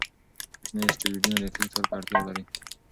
کوچني اسټروېډونه دقیق څار ته اړتیا لري.